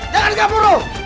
jangan gabung yuk